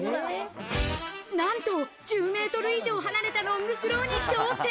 なんと１０ｍ以上離れたロングスローに挑戦。